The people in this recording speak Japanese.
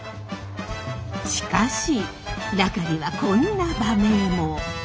しかし中にはこんな馬名も。